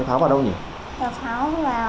kéo pháo vào thung lũ điện biên phủ